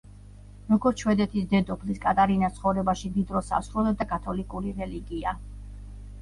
როგორც შვედეთის დედოფლის, კატარინას ცხოვრებაში დიდ როლს ასრულებდა კათოლიკური რელიგია.